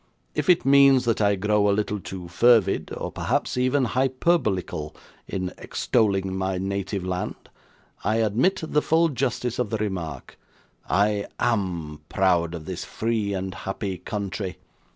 If it means that I grow a little too fervid, or perhaps even hyperbolical, in extolling my native land, I admit the full justice of the remark. I AM proud of this free and happy country.